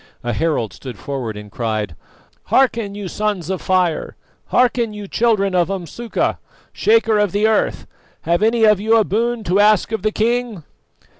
A herald stood forward and cried: "Hearken, you Sons of Fire! Hearken, you Children of Umsuka, Shaker of the Earth! Have any of you a boon to ask of the king?"